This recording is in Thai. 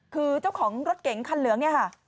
คือเจ้าของรถเก๋งคันเหลือง